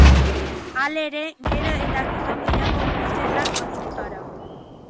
Halere, gero eta gizon gehiago hurbiltzen da kontsultara.